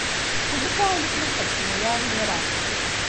Ulac aɣilif ma tḥebsem aya imir-a!